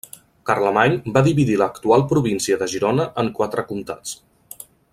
Carlemany va dividir l'actual província de Girona en quatre comtats: